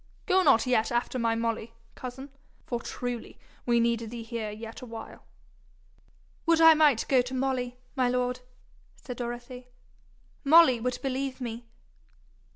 Go not yet after my Molly, cousin, for truly we need thee here yet a while.' 'Would I might go to Molly, my lord!' said Dorothy. 'Molly would believe me.'